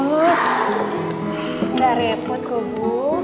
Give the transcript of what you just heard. nggak repot bu